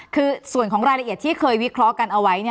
คือส่วนของรายละเอียดที่เคยวิเคราะห์กันเอาไว้